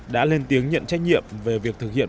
đã lên tiếng nhận trách nhiệm về việc thực hiện